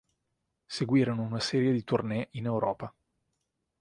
Seguirono una serie di tournée in Europa.